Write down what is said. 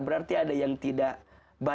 berarti ada yang tidak baik